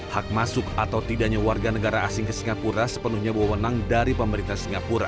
hak masuk atau tidaknya warga negara asing ke singapura sepenuhnya bawa menang dari pemerintah singapura